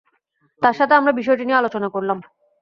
তার সাথে আমার বিষয়টি নিয়ে আলোচনা করলাম।